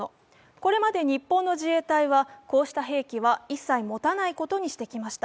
これまで日本の自衛隊はこうした兵器は一切持たないことにしてきました。